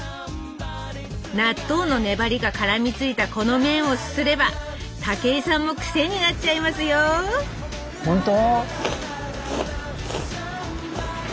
納豆の粘りがからみついたこの麺をすすれば武井さんも癖になっちゃいますよスタジオ本当？